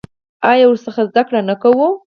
آیا او ورڅخه زده کړه نه کوو؟